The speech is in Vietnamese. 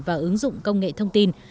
và ứng dụng công nghệ thông tin